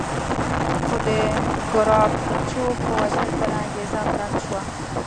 خو د ګراکچوس په وژنې سره انګېزه مړه نه شوه